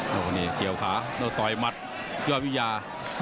โอ้โหนี่เกี่ยวขาแล้วต่อยมัดยอดวิทยา